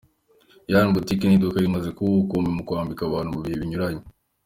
Ian Boutique ni iduka rimaze kuba ubukombe mu kwambika abantu mu bihe binyuranye.